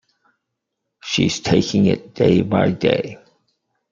She's taking it day by day.